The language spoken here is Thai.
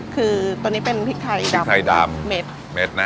คือตัวนี้เป็นพริกไทยดำไข่ดำเม็ดเม็ดนะ